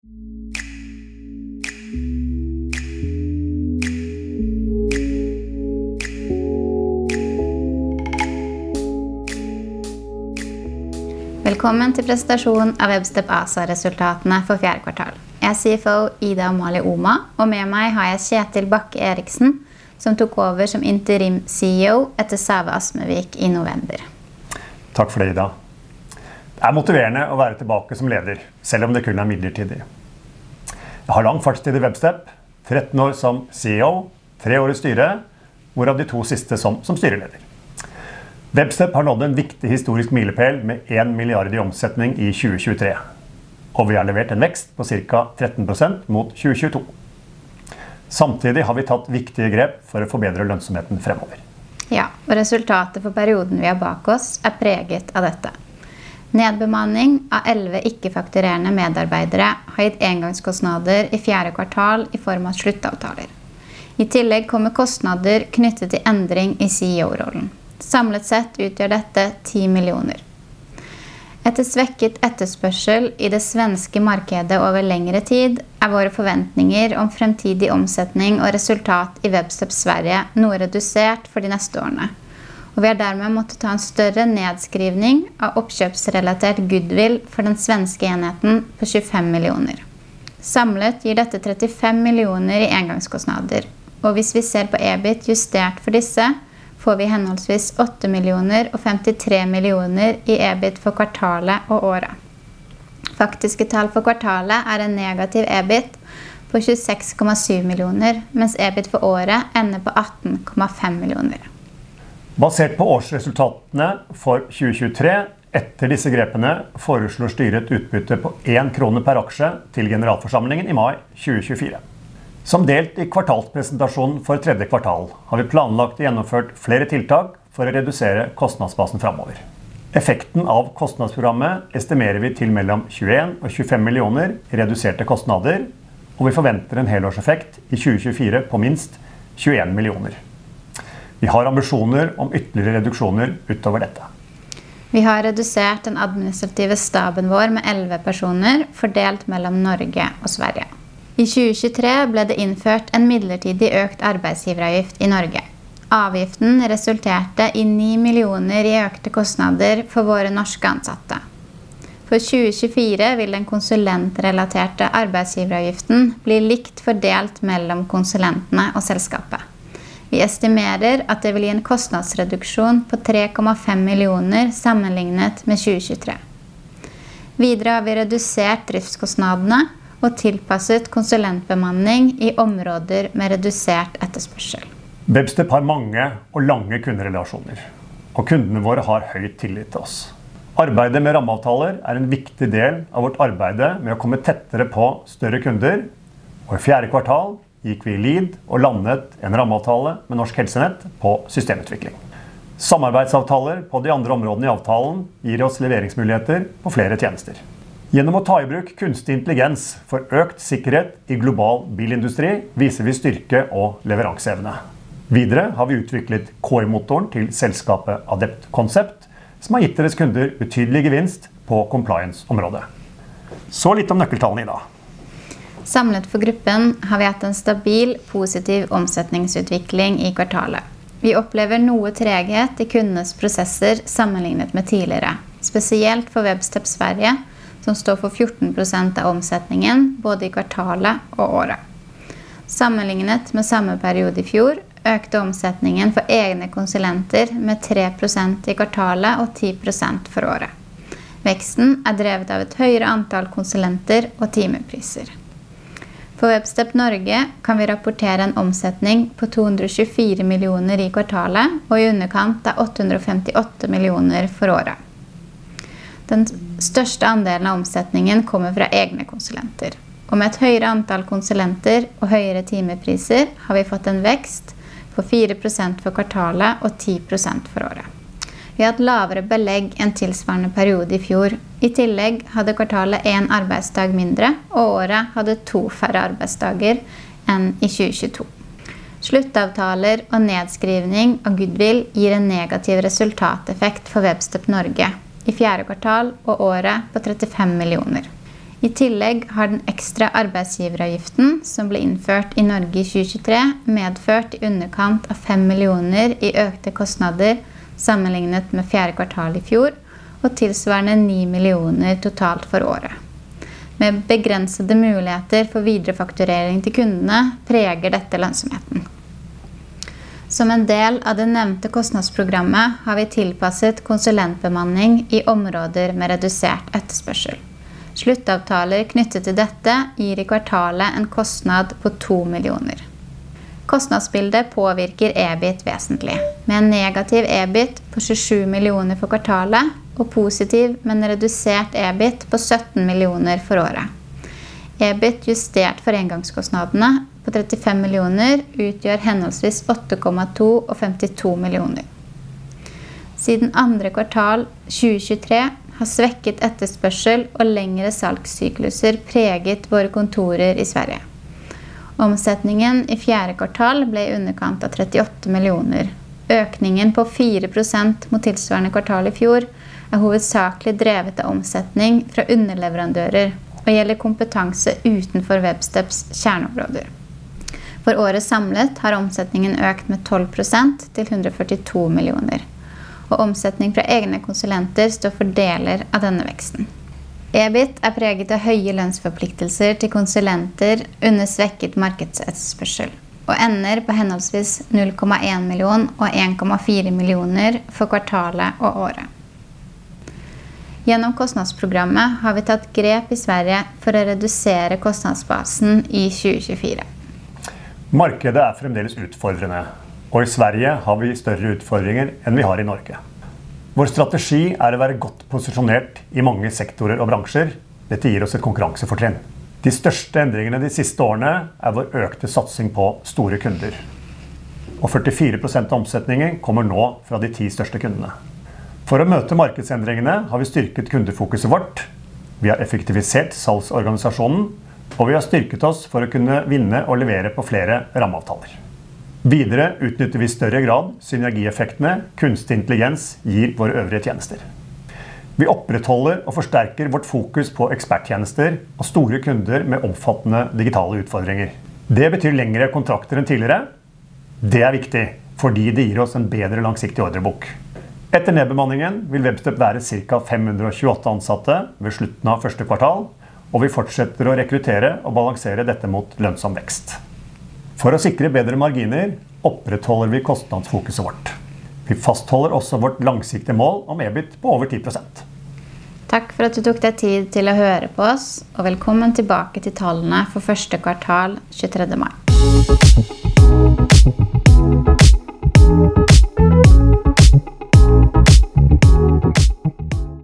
Velkommen til presentasjon av Webstep ASA-resultatene for fjerde kvartal. Jeg er CFO Ida Amalie Ohman, og med meg har jeg Kjetil Bakke Eriksen, som tok over som interim CEO etter Sæve Asmervik i november. Takk for det, Ida. Det er motiverende å være tilbake som leder, selv om det kun er midlertidig. Jeg har lang fartstid i Webstep, 13 år som CEO, 3 år i styret, hvorav de 2 siste som styreleder. Webstep har nådd en viktig historisk milepæl med 1 milliard i omsetning i 2023, og vi har levert en vekst på ca. 13% mot 2022. Samtidig har vi tatt viktige grep for å forbedre lønnsomheten fremover. Ja, og resultatet for perioden vi har bak oss preget av dette. Nedbemanning av 11 ikke-fakturerende medarbeidere har gitt engangskostnader i fjerde kvartal i form av slutavtaler. I tillegg kommer kostnader knyttet til endring i CEO-rollen. Samlet sett utgjør dette NOK 10 millioner. Etter svekket etterspørsel i det svenske markedet over lengre tid, våre forventninger om fremtidig omsetning og resultat i Webstep Sverige noe redusert for de neste årene, og vi har dermed måttet ta en større nedskrivning av oppkjøpsrelatert goodwill for den svenske enheten på NOK 25 millioner. Samlet gir dette NOK 35 millioner i engangskostnader, og hvis vi ser på EBIT justert for disse, får vi henholdsvis NOK 8 millioner og NOK 53 millioner i EBIT for kvartalet og året. Faktiske tall for kvartalet en negativ EBIT på NOK 26,7 millioner, mens EBIT for året ender på NOK 18,5 millioner. Basert på årsresultatene for 2023 etter disse grepene, foreslår styret et utbytte på NOK 1 per aksje til generalforsamlingen i mai 2024. Som delt i kvartalspresentasjonen for tredje kvartal har vi planlagt å gjennomføre flere tiltak for å redusere kostnadsbasen fremover. Effekten av kostnadsprogrammet estimerer vi til mellom NOK 21 millioner og NOK 25 millioner reduserte kostnader, og vi forventer en helårseffekt i 2024 på minst NOK 21 millioner. Vi har ambisjoner om ytterligere reduksjoner utover dette. Vi har redusert den administrative staben vår med 11 personer fordelt mellom Norge og Sverige. I 2023 ble det innført en midlertidig økt arbeidsgiveravgift i Norge. Avgiften resulterte i NOK 9 millioner i økte kostnader for våre norske ansatte. For 2024 vil den konsulentrelaterte arbeidsgiveravgiften bli likt fordelt mellom konsulentene og selskapet. Vi estimerer at det vil gi en kostnadsreduksjon på NOK 3,5 millioner sammenlignet med 2023. Videre har vi redusert driftskostnadene og tilpasset konsulentbemanning i områder med redusert etterspørsel. Webstep har mange og lange kunderelasjoner, og kundene våre har høy tillit til oss. Arbeidet med rammeavtaler er en viktig del av vårt arbeid med å komme tettere på større kunder, og i fjerde kvartal gikk vi i lead og landet en rammeavtale med Norsk Helsenett på systemutvikling. Samarbeidsavtaler på de andre områdene i avtalen gir oss leveringsmuligheter på flere tjenester. Gjennom å ta i bruk kunstig intelligens for økt sikkerhet i global bilindustri viser vi styrke og leveranseevne. Videre har vi utviklet KI-motoren til selskapet Adept Concept, som har gitt deres kunder betydelig gevinst på compliance-området. Så litt om nøkkeltallene, Ida. Samlet for gruppen har vi hatt en stabil, positiv omsetningsutvikling i kvartalet. Vi opplever noe treghet i kundenes prosesser sammenlignet med tidligere, spesielt for Webstep Sverige, som står for 14% av omsetningen både i kvartalet og året. Sammenlignet med samme periode i fjor økte omsetningen for egne konsulenter med 3% i kvartalet og 10% for året. Veksten drevet av et høyere antall konsulenter og timepriser. For Webstep Norge kan vi rapportere en omsetning på NOK 224 millioner i kvartalet og i underkant av NOK 858 millioner for året. Den største andelen av omsetningen kommer fra egne konsulenter, og med et høyere antall konsulenter og høyere timepriser har vi fått en vekst på 4% for kvartalet og 10% for året. Vi har hatt lavere belegg enn tilsvarende periode i fjor. I tillegg hadde kvartalet én arbeidsdag mindre, og året hadde to færre arbeidsdager enn i 2022. Slutavtaler og nedskrivning av goodwill gir en negativ resultateffekt for Webstep Norge i fjerde kvartal og året på 35 millioner. I tillegg har den ekstra arbeidsgiveravgiften som ble innført i Norge i 2023 medført i underkant av 5 millioner i økte kostnader sammenlignet med fjerde kvartal i fjor og tilsvarende 9 millioner totalt for året. Med begrensede muligheter for viderefakturering til kundene preger dette lønnsomheten. Som en del av det nevnte kostnadsprogrammet har vi tilpasset konsulentbemanning i områder med redusert etterspørsel. Slutavtaler knyttet til dette gir i kvartalet en kostnad på 2 millioner. Kostnadsbildet påvirker EBIT vesentlig, med en negativ EBIT på 27 millioner for kvartalet og positiv, men redusert EBIT på 17 millioner for året. EBIT justert for engangskostnadene på 35 millioner utgjør henholdsvis 8,2 og 52 millioner. Siden andre kvartal 2023 har svekket etterspørsel og lengre salgssykluser preget våre kontorer i Sverige. Omsetningen i fjerde kvartal ble i underkant av 38 millioner. Økningen på 4% mot tilsvarende kvartal i fjor hovedsakelig drevet av omsetning fra underleverandører og gjelder kompetanse utenfor Websteps kjerneområder. For året samlet har omsetningen økt med 12% til 142 millioner, og omsetning fra egne konsulenter står for deler av denne veksten. EBIT preget av høye lønnsforpliktelser til konsulenter under svekket markedsetterspørsel og ender på henholdsvis 0,1 million og 1,4 millioner for kvartalet og året. Gjennom kostnadsprogrammet har vi tatt grep i Sverige for å redusere kostnadsbasen i 2024. Markedet fremdeles utfordrende, og i Sverige har vi større utfordringer enn vi har i Norge. Vår strategi å være godt posisjonert i mange sektorer og bransjer. Dette gir oss et konkurransefortrinn. De største endringene de siste årene vår økte satsing på store kunder, og 44% av omsetningen kommer nå fra de 10 største kundene. For å møte markedsendringene har vi styrket kundefokuset vårt. Vi har effektivisert salgsorganisasjonen, og vi har styrket oss for å kunne vinne og levere på flere rammeavtaler. Videre utnytter vi i større grad synergieffektene kunstig intelligens gir våre øvrige tjenester. Vi opprettholder og forsterker vårt fokus på eksperttjenester og store kunder med omfattende digitale utfordringer. Det betyr lengre kontrakter enn tidligere. Det viktig fordi det gir oss en bedre langsiktig ordrebok. Etter nedbemanningen vil Webstep være ca. 528 ansatte ved slutten av første kvartal, og vi fortsetter å rekruttere og balansere dette mot lønnsom vekst. For å sikre bedre marginer opprettholder vi kostnadsfokuset vårt. Vi fastholder også vårt langsiktige mål om EBIT på over 10%. Takk for at du tok deg tid til å høre på oss, og velkommen tilbake til tallene for første kvartal 23. mai.